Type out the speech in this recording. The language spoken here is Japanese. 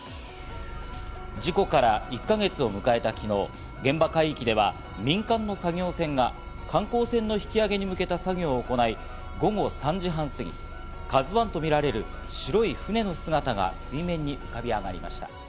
事故から１か月を迎えた昨日、現場海域では民間の作業船が観光船の引き揚げに向けた作業を行い、午後３時半過ぎ「ＫＡＺＵ１」とみられる白い船の姿が水面に浮かび上がりました。